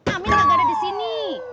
amin lah gak ada di sini